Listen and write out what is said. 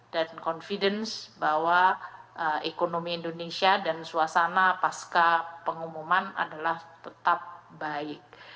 dan confidence bahwa ekonomi indonesia dan suasana pasca pengumuman adalah tetap baik